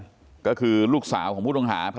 ทีนี้ก็ต้องถามคนกลางหน่อยกันแล้วกัน